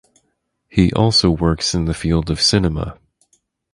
He also works in the field of cinema.